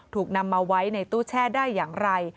ถูกนำมาไว้ในตู้แช่ได้อย่างไร